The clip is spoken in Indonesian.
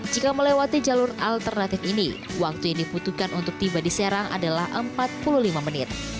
jika melewati jalur alternatif ini waktu yang dibutuhkan untuk tiba di serang adalah empat puluh lima menit